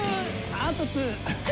パート２。